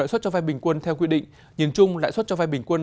lãi suất cho vai bình quân theo quy định nhìn chung lãi suất cho vai bình quân